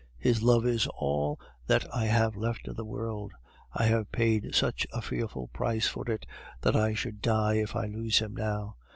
His love is all that I have left in the world. I have paid such a fearful price for it that I should die if I lose him now.